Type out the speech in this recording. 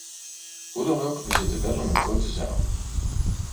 Hoe dan ook, we zitten wel in een grote zaal.